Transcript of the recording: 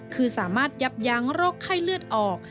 คือสามารถยับยั้งโรคไข้เลือดออก